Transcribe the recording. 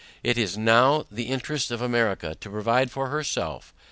It is NOW the interest of America to provide for herself.